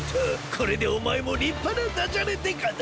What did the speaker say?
これでおまえもりっぱなだじゃれデカだ。